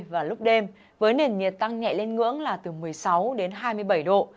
và lúc đêm với nền nhiệt tăng nhẹ lên ngưỡng là từ một mươi sáu đến hai mươi bảy độ